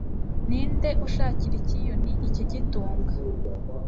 ni nde ushakira ikiyoni ikigitunga